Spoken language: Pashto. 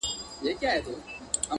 • هر انسان لره معلوم خپل عاقبت وي ,